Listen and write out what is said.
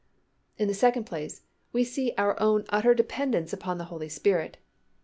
In the second place, we see our own utter dependence upon the Holy Spirit.